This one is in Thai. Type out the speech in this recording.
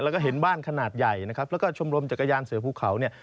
แล้วก็เห็นบ้านขนาดใหญ่นะครับแล้วก็ชมรมจักรยานเสือภูเขาเนี่ย